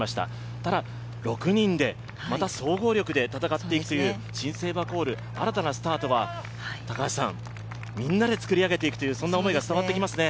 ただ、６人でまた総合力で戦っていくという新生ワコール、新たなスタートが高橋さん、みんなで作り上げていくそんな思いが伝わってきますね。